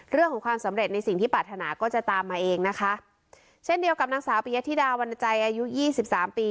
เรื่องของความสำเร็จในสิ่งที่ปรารถนาก็จะตามมาเองนะคะเช่นเดียวกับนางสาวปิยธิดาวรันใจอายุยี่สิบสามปี